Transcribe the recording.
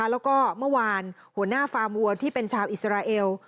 แล้วก็เมื่อวานหัวหน้าฟาร์มวัวที่เป็นชาวอิสราเอล